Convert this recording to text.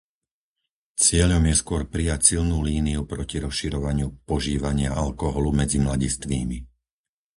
Cieľom je skôr prijať silnú líniu proti rozširovaniu požívania alkoholu medzi mladistvými.